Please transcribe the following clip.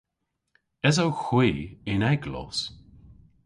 Esowgh hwi y'n eglos?